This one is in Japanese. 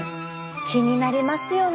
気になりますよね？